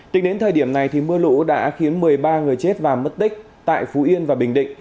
tính đến thời điểm này mưa lũ đã khiến một mươi ba người chết và mất tích tại phú yên và bình định